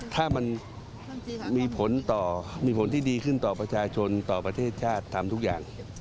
ถ้ามันมีผลต่อมีผลที่ดีขึ้นต่อประชาชนต่อประเทศชาติทำทุกอย่าง